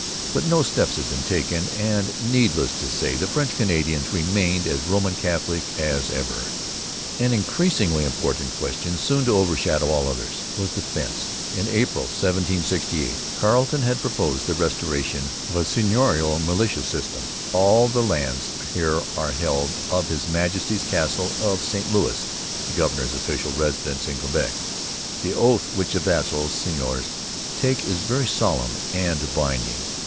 But no steps had been taken, and, needless to say, the French Canadians remained as Roman Catholic as ever. An increasingly important question, soon to overshadow all others, was defence. In April 1768 Carleton had proposed the restoration of the seigneurial militia system. 'All the Lands here are held of His Majesty's Castle of St Lewis [the governor's official residence in Quebec]. The Oath which the Vassals [seigneurs] take is very Solemn and Binding.